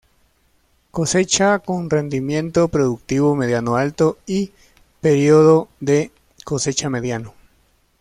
Cosecha con rendimiento productivo mediano-alto, y periodo de cosecha mediano.